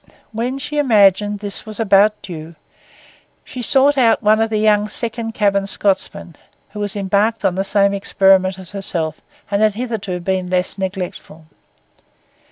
When she imagined this was about due, she sought out one of the young second cabin Scotsmen, who was embarked on the same experiment as herself and had hitherto been less neglectful.